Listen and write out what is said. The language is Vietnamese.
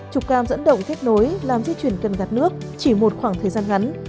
trục cam dẫn động kết nối làm di chuyển cần gạt nước chỉ một khoảng thời gian ngắn